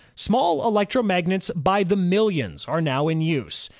Small electromagnets by the millions are now in use.